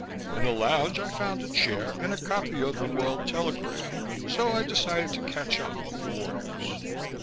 In the lounge I found a chair and a copy of the World Telegram, so I decided to catch up with the war news.